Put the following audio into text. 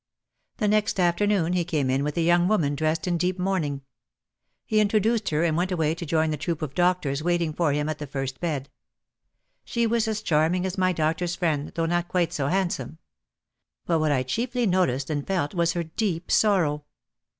The next afternoon he came in with a young woman dressed in deep mourning. He introduced her and went away to join the troupe of doctors waiting for him at the first bed. She was as charming as my doctor's friend though not quite so handsome. But what I chiefly no ticed and felt was her deep sorrow.